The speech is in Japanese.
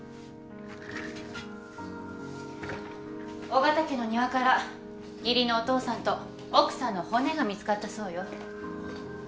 尾形家の庭から義理のお父さんと奥さんの骨が見つかったそうよ。